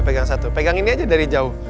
pegang satu pegang ini aja dari jauh